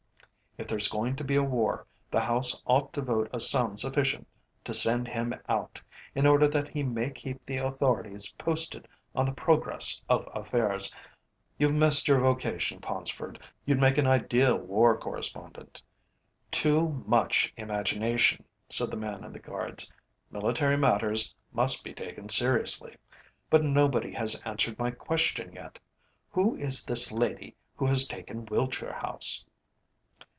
If there's going to be a war the House ought to vote a sum sufficient to send him out, in order that he may keep the Authorities posted on the progress of affairs. You've missed your vocation, Paunceford; you'd make an ideal War Correspondent." "Too much imagination," said the man in the Guards; "military matters must be taken seriously. But nobody has answered my question yet. Who is this lady who has taken Wiltshire House?"